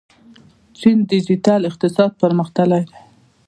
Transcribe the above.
چین ډیجیټل اقتصاد پرمختللی دی.